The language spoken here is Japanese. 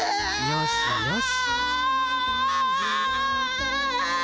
よしよし。